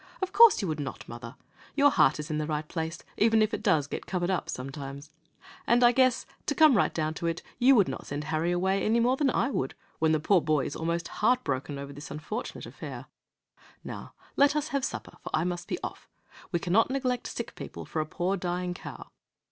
Of course you would not, mother. Your heart is in the right place, even if it does get covered up sometimes. And I guess, to come right down to it, you would not send Harry away any more than I would, when the poor boy is almost heart broken over this unfortunate affair. Now, let us have supper, for I must be off. We cannot neglect sick people for a poor, dying cow.